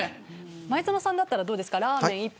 前園さんだったら、どうですかラーメン１杯。